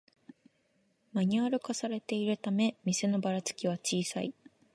マニュアル化されているため店のバラつきは小さい